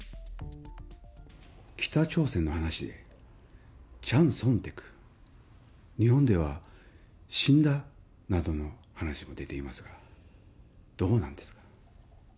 北朝鮮の話でチャン・ソンテク、日本では、死んだなどの話も出ていますが、どうなんですか？